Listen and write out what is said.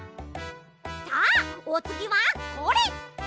さあおつぎはこれ！